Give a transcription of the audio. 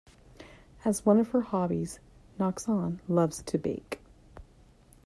As one of her hobbies, Noxon loves to bake.